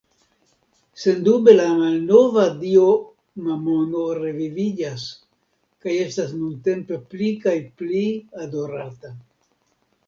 Sendube la malnova dio Mamono reviviĝas kaj estas nuntempe pli kaj pli adorata.